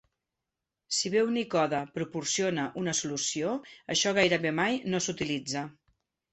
Si bé Unicode, proporciona una solució, això gairebé mai no s'utilitza.